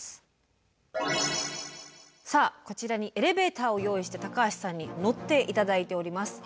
さあこちらにエレベーターを用意して高橋さんに乗って頂いております。